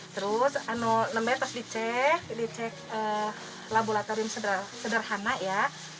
terus lebetes dicek dicek laboratorium sederhana ya